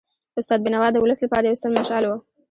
استاد بینوا د ولس لپاره یو ستر مشعل و.